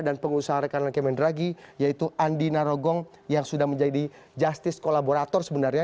dan pengusaha rekanan kemendragi yaitu andi narogong yang sudah menjadi justice kolaborator sebenarnya